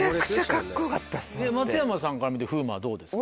松山さんから見て風磨はどうですか？